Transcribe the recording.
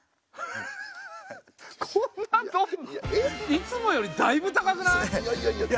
いつもよりだいぶ高くない？